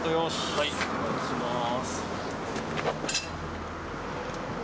はいお願いします。